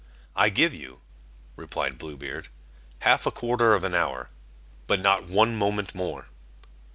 "I give you," replied Blue Beard, "half a quarter of an hour, but not one moment more."